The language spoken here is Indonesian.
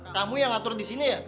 kamu yang atur disini ya